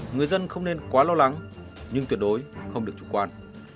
người dân không nên quá lo lắng nhưng tuyệt đối không được chủ quan